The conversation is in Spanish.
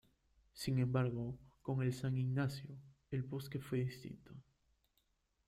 Sin embargo, con el San Ignacio El Bosque fue distinto.